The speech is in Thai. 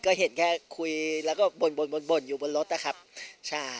ก็เห็นแค่คุยแล้วก็บ่นบ่นบ่นบ่นอยู่บนรถนะครับใช่